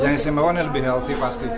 yang istimewa ini lebih healthy pasti